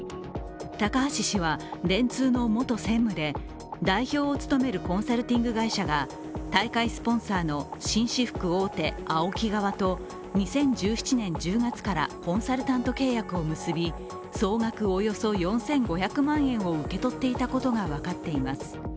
高橋氏は電通の元専務で代表を務めるコンサルティング会社が大会スポンサーの紳士服大手ＡＯＫＩ側と２０１７年１０月からコンサルタント契約を結び総額およそ４５００万円を受け取っていたことが分かっています。